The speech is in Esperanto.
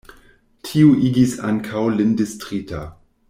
Tio igis ankaŭ lin distrita.